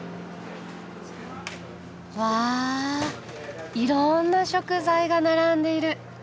うわいろんな食材が並んでいる。